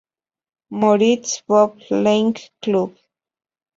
Moritz Bobsleigh Club.